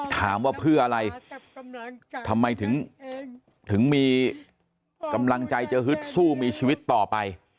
ถามว่าเพื่ออะไรทำไมถึงมีกำลังใจจะฮึดสู้มีชีวิตต่อไป